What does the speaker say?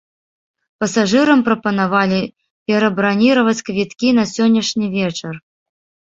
Пасажырам прапанавалі перабраніраваць квіткі на сённяшні вечар.